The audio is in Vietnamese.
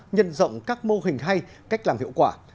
nhân rộng các mô hình hay cách làm hiệu quả